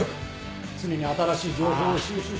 常に新しい情報を収集し。